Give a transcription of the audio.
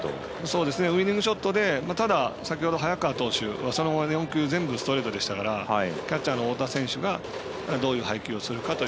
ウイニングショットでただ、先ほど早川投手全部ストレートでしたからキャッチャーの太田選手がどういう配球をするか。